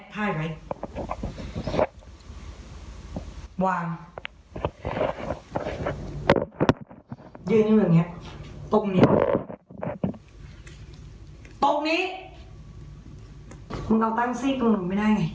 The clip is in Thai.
พายไว้วางยืนอยู่แบบเงี้ยตรงเนี้ยตรงนี้มึงเอาตั้งซี่กับหนุ่มไปได้ไง